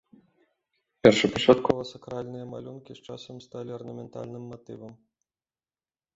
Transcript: Першапачаткова сакральныя малюнкі з часам сталі арнаментальным матывам.